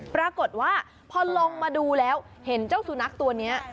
ปรากฏว่าพอลงมาดูแล้วเห็นเจ้าสุนัขตัวนี้